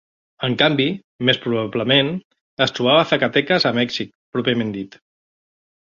En canvi, més probablement es trobava Zacatecas a Mèxic pròpiament dit.